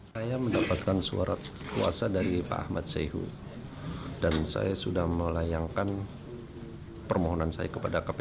saya mendapatkan suara kuasa dari pak ahmad seyhu dan saya sudah melayangkan permohonan saya kepada kpk